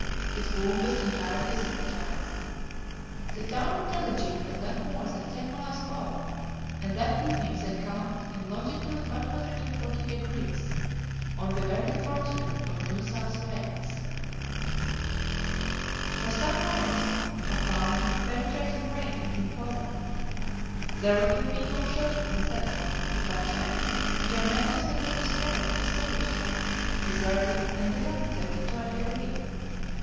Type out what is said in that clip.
His wound was entirely cicatrized. The town of Delegete was not more than ten miles off, and that evening they camped in longitude 140 degrees, on the very frontier of New South Wales. For some hours, a fine but penetrating rain had been falling. There would have been no shelter from this, if by chance John Mangles had not discovered a sawyer's hut, deserted and dilapidated to a degree.